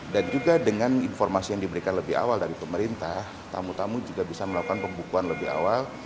dan juga dengan informasi yang diberikan lebih awal dari pemerintah tamu tamu juga bisa melakukan pembukuan lebih awal